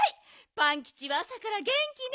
パンキチはあさからげんきね。